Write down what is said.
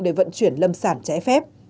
để vận chuyển lâm sản trẻ phép